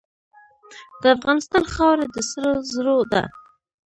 د افغانستان خاوره د سرو زرو ده.